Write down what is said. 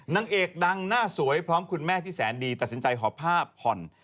นางเอกดังหน้าสวยพร้อมคุณแม่ที่แสนดีตัดสินใจหอบผ้าผ่อน